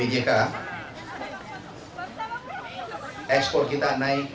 menteri amran sulaiman